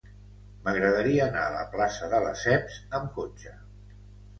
M'agradaria anar a la plaça de Lesseps amb cotxe.